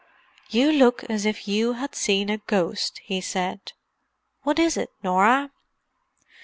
"You look as if you had seen a ghost," he said. "What is it, Norah?"